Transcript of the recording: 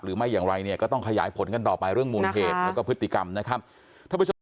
หรือไม่อย่างไรเนี่ยก็ต้องขยายผลกันต่อไปเรื่องมูลเหตุแล้วก็พฤติกรรมนะครับท่านผู้ชม